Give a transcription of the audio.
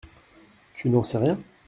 Tu n’en sais rien ?